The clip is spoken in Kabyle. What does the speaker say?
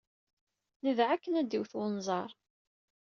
Nedɛa akken ad d-iwet wenẓar.